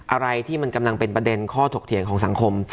อะไรที่มันกำลังเป็นประเด็นข้อถกเถียงของสังคม